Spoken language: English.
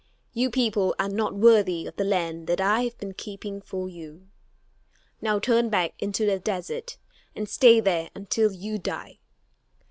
You people are not worthy of the land that I have been keeping for you. Now turn back into the desert and stay there until you die.